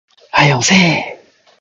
早よせえ